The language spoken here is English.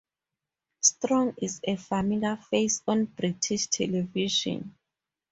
Strong is a familiar face on British television.